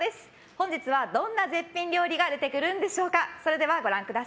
本日はどんな絶品料理が出てくるんでしょうか。